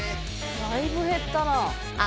だいぶ減ったなあ。